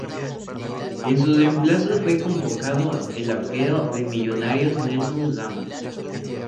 En su reemplazo fue convocado el arquero de Millonarios, Nelson Ramos.